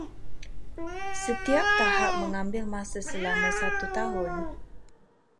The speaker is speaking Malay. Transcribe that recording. Setiap tahap mengambil masa selama satu tahun.